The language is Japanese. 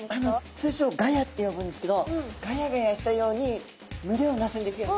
通称ガヤって呼ぶんですけどガヤガヤしたように群れをなすんですよね。